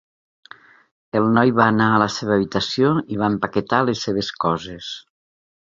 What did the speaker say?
El noi va anar a la seva habitació i va empaquetar les seves coses.